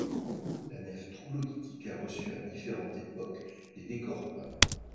La nef troglodytique a reçu à différentes époques des décors peints.